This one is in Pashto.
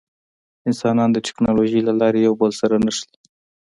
انسانان د ټکنالوجۍ له لارې یو بل سره نښلي.